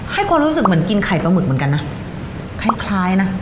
ให้ความรู้สึกเหมือนกินไข่ปลาหมึกเหมือนกันนะคล้ายคล้ายนะ